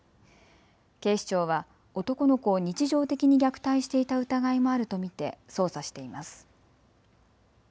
警視庁は男の子を日常的に虐待していた疑いもあると見て捜査しています。